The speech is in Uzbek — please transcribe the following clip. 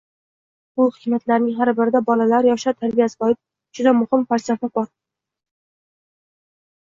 Bu hikmatlarning har birida bolalar, yoshlar tarbiyasiga oid juda muhim falsafa bor.